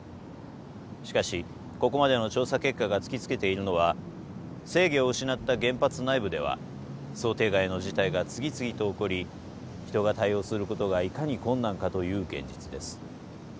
しかしここまでの調査結果が突きつけているのは制御を失った原発内部では想定外の事態が次々と起こり人が対応することがいかに困難かという現実です。